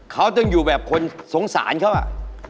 เขาต้องอยู่แบบคนสงสารเขาอ่ะ